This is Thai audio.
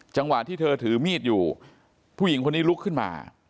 จังหวะที่เธอถือมีดอยู่ผู้หญิงคนนี้ลุกขึ้นมา